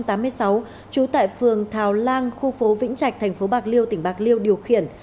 trú tại phường thảo lang khu phố vĩnh trạch thành phố bạc liêu tỉnh bạc liêu điều khiển